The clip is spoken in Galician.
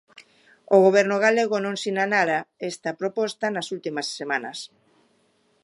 O Goberno galego non sinalara esta proposta nas últimas semanas.